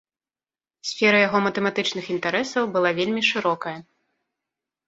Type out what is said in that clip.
Сфера яго матэматычных інтарэсаў была вельмі шырокая.